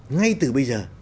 ngay từ bây giờ